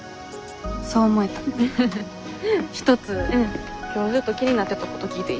そう思えた一つ今日ずっと気になってたこと聞いていい？